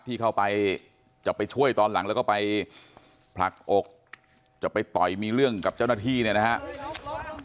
ที่เข้าไปจะไปช่วยตอนหลังแล้วก็ไปผลักอกจะไปต่อยมีเรื่องกับเจ้าหน้าที่เนี่ยนะครับ